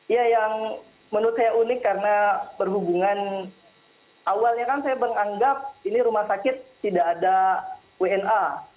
ya yang menurut saya unik karena berhubungan awalnya kan saya menganggap ini rumah sakit tidak ada wna